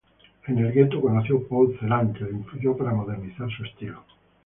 En el gueto conoció Paul Celan, que le influyó para modernizar su estilo.